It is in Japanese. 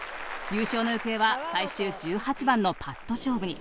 優勝の行方は最終１８番のパット勝負に。